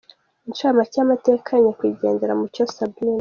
Incamake y’amateka ya nyakwigendera Mucyo Sabine